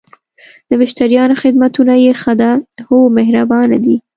د مشتریانو خدمتونه یی ښه ده؟ هو، مهربانه دي